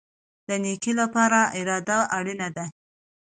د نیکۍ لپاره اراده اړین ده